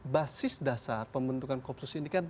basis dasar pembentukan koopsus ini kan